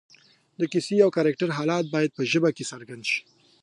د کیسې او کرکټر حالت باید په ژبه کې څرګند شي